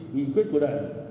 nghị quyết của đảng